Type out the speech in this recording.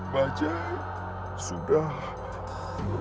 bajaj sudah lemah